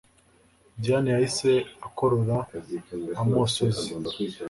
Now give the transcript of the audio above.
Diane yahise akorora amosozi……